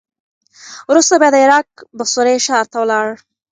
وروسته بیا د عراق بصرې ښار ته ولاړ.